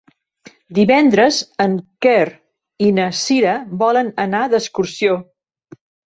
Divendres en Quer i na Cira volen anar d'excursió.